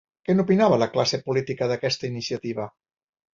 Què n’opinava la classe política, d’aquesta iniciativa?